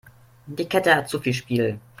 Die Kette hat zu viel Spiel.